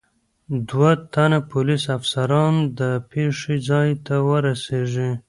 دو تنه پولیس افسران د پېښې ځای ته رسېږي.